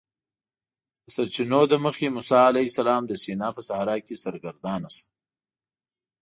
د سرچینو له مخې موسی علیه السلام د سینا په صحرا کې سرګردانه شو.